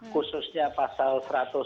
khususnya pasal seratus